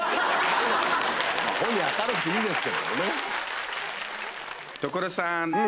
本人明るくていいですけどもね。